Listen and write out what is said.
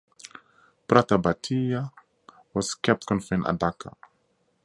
Pratapaditya was kept confined at Dhaka.